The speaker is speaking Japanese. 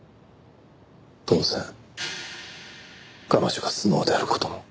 当然彼女がスノウである事も。